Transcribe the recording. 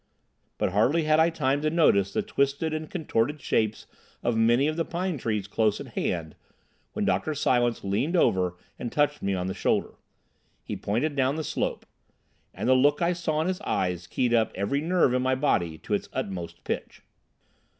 But hardly had I time to notice the twisted and contorted shapes of many of the pine trees close at hand when Dr. Silence leaned over and touched me on the shoulder. He pointed down the slope. And the look I saw in his eyes keyed up every nerve in my body to its utmost pitch.